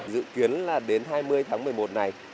dự kiến là đến hai mươi tháng một mươi một này